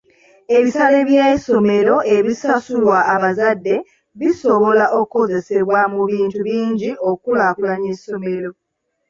Ebisale by'essomero ebisasulwa abazadde bisobola okukozesebwa mu bintu bingi okukulaakulanya essomero.